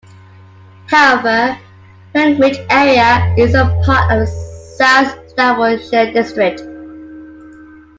However, Penkridge area is a part of South Staffordshire district.